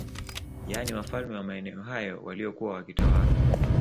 Yani wafalme wa maeneo hayo waliokuwa wakitawala